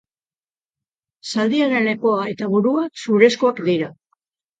Zaldiaren lepoa eta burua zurezkoak dira.